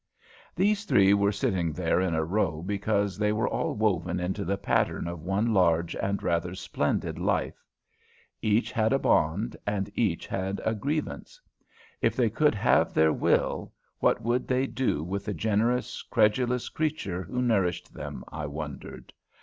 These three were sitting there in a row because they were all woven into the pattern of one large and rather splendid life. Each had a bond, and each had a grievance. If they could have their will, what would they do with the generous, credulous creature who nourished them, I wondered?